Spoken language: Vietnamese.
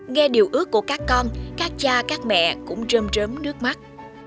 nghe điều ước của các con các cha các mẹ cũng rơm rớm nước mắt